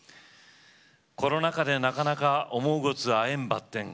コロナ禍でなかなか思うごつ会えんばってん